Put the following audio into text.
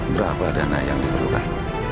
berapa dana yang diperlukan